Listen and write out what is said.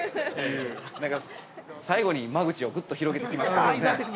◆最後に間口をぐっと広げてきましたね。